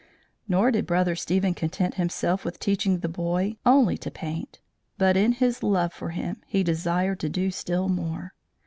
Nor did Brother Stephen content himself with teaching the boy only to paint; but in his love for him, he desired to do still more.